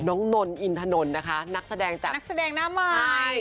นนอินถนนนะคะนักแสดงจากนักแสดงหน้าใหม่